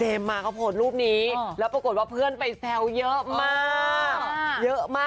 เรามีวันเดือนอาการ